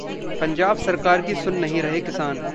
पंजाब सरकार की सुन नहीं रहे किसान!